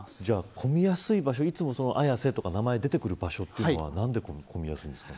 混みやすい場所綾瀬とか、いつも名前が出てくる場所は何で混みやすいんですか。